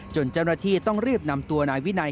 เจ้าหน้าที่ต้องรีบนำตัวนายวินัย